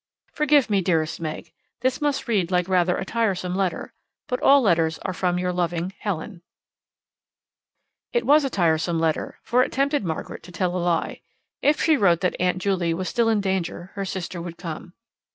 Forgive me, dearest Meg. This must read like rather a tiresome letter, but all letters are from your loving Helen It was a tiresome letter, for it tempted Margaret to tell a lie. If she wrote that Aunt Juley was still in danger her sister would come.